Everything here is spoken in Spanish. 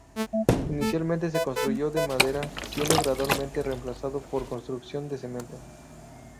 Inicialmente se construyó de madera, siendo gradualmente reemplazado por construcción de cemento.